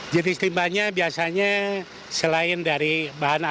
jenis limbahnya biasanya selain dari bahan api